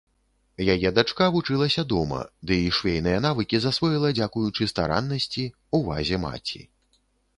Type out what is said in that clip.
Яе дачка вучылася дома, ды і швейныя навыкі засвоіла дзякуючы стараннасці, увазе маці.